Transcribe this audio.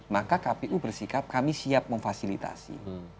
maka kpu bersikap kami siap memfasilitasi